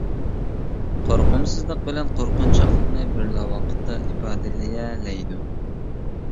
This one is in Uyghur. قورقۇمسىزلىق بىلەن قورقۇنچاقلىقنى بىرلا ۋاقىتتا ئىپادىلىيەلەيدۇ.